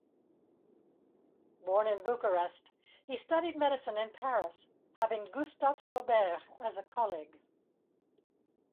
Born in Bucharest, he studied medicine in Paris, having Gustave Flaubert as a colleague.